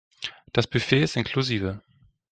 Das Buffet ist inklusive.